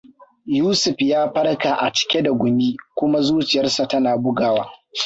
Yusuf ya farka a cike da gumi kuma zuciyarsa ta na bugawa.